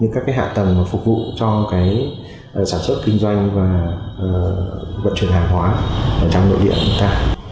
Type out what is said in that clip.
các hạ tầng phục vụ cho sản xuất kinh doanh và vận chuyển hàng hóa trong nội địa